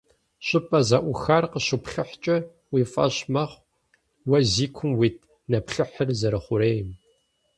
ЩӀыпӀэ зэӀухар къыщуплъыхькӀэ, уи фӀэщ мэхъу уэ зи кум уит нэплъыхьыр зэрыхъурейм.